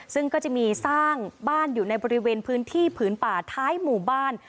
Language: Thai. ซึ่งก็จะมีสร้างบ้านอยู่ในบริเวณพื้นที่ผืนป่าท้ายหมู่บ้าน